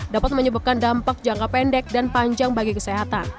dapat menyebabkan dampak jangka pendek dan panjang bagi kesehatan